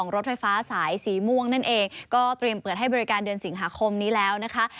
รถไฟฟ้าสายสีม่วงนั่นเองก็เตรียมเปิดให้บริการเดือนสิงหาคมนี้แล้วนะคะ